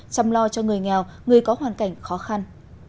chăm lo cho người nghèo người có hoàn cảnh khó khăn